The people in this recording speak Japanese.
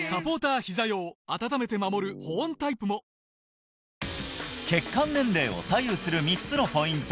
これ大事血管年齢を左右する３つのポイント